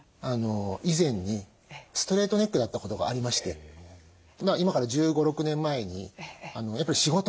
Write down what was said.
以前にストレートネックだったことがありまして今から１５１６年前にやっぱり仕事に集中してですね